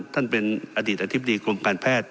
ท่านเป็นอดีตอธิบดีกรมการแพทย์